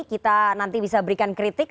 kita nanti bisa berikan kritik